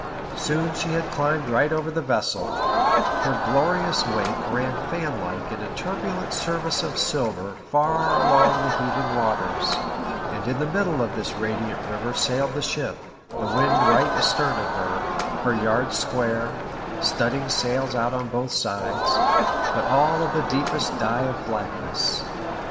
Soon she had climbed right over l^he vessel; her glorious wake ran fan like in a turbulent surface of silver far along the heaving waters ; and in the middle of this radiant river sailed the ship ; the wind right astern of her ; her yards square ; studding sails out on both sides ; but all of the deepest dye of blackness.